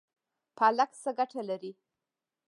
پالک څه ګټه لري؟